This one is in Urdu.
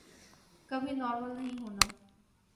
کبھی نارمل نہیں ہونا۔